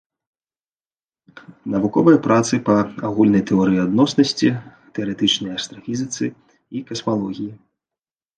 Навуковыя працы па агульнай тэорыі адноснасці, тэарэтычнай астрафізіцы і касмалогіі.